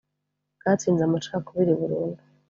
bwatsinze amacakubiri burundu”